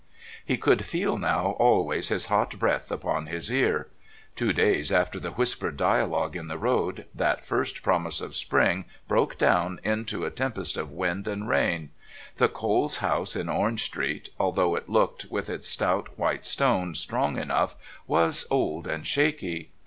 He could feel now always his hot breath upon his ear. Two days after the whispered dialogue in the road, that first promise of spring broke down into a tempest of wind and rain. The Coles' house in Orange Street, although it looked, with its stout, white stone, strong enough, was old and shaky.